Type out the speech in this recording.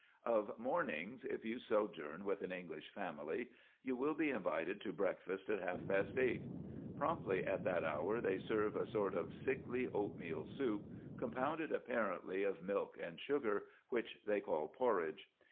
Of mornings, if you sojourn with an English family, you will be invited to breakfast at half past eight. Promptly at that hour they serve a sort of sickly oatmeal soup, compounded apparently of milk and sugar, which they call porridge.